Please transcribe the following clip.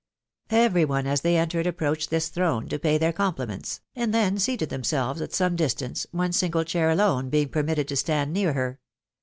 Every one as they entered approached this throne to pay their compliments, and then seated themselves at some dis tance, one single chair alone being permitted to stand near her.